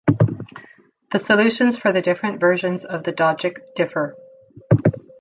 The solutions for the different versions of the Dogic differ.